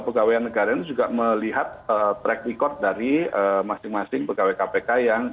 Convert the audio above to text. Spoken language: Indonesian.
sekarang seharusnya bnp juga melihat trak record dari masing masing pegawai kpk yang